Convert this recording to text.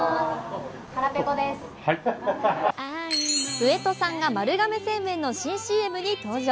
上戸さんが丸亀製麺の新ＣＭに登場。